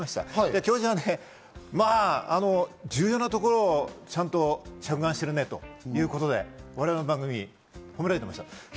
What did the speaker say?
教授は、重要なところをちゃんと着眼してるねということで、我々、褒められていました。